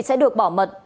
sẽ được bỏ mật